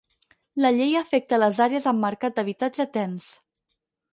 La llei afecta les àrees amb mercat d'habitatge tens.